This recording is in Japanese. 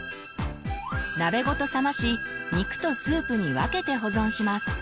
鍋ごと冷まし肉とスープに分けて保存します。